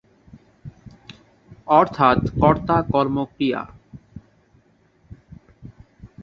অর্থাৎ কর্তা-কর্ম-ক্রিয়া।